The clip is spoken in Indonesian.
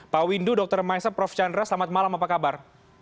pak windu dr maisa prof chandra selamat malam apa kabar